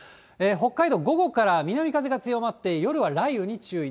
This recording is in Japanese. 北海道、午後から南風が強まって、夜は雷雨に注意。